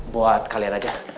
buat kalian aja